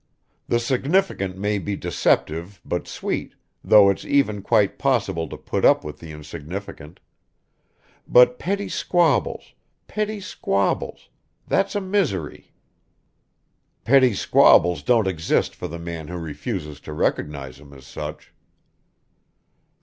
The significant may be deceptive but sweet, though it's even quite possible to put up with the insignificant ... But petty squabbles, petty squabbles ... that's a misery." "Petty squabbles don't exist for the man who refuses to recognize them as such."